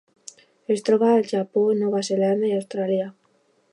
Es troba al Japó, Nova Zelanda i Austràlia.